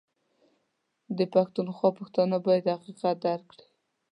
ده پښتونخوا پښتانه بايد حقيقت درک کړي